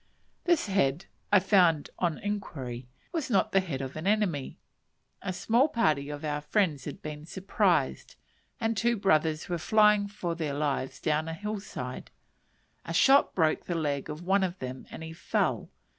This head, I found on inquiry, was not the head of an enemy. A small party of our friends had been surprised, and two brothers were flying for their lives down a hill side; a shot broke the leg of one of them and he fell.